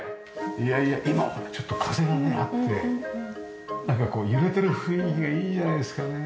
いやいや今はちょっと風があってなんかこう揺れてる雰囲気がいいじゃないですかね。